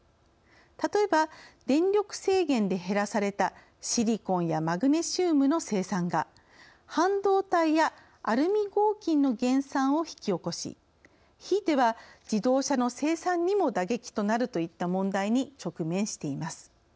例えば電力制限で減らされたシリコンやマグネシウムの生産が半導体やアルミ合金の減産を引き起こしひいては自動車の生産にも打撃となるといった問題に直面しています。